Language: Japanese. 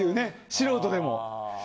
素人でも。